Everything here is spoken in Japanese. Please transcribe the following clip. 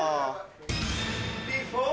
ビフォー。